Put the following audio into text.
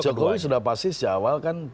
pak jokowi sudah pasti sejak awal kan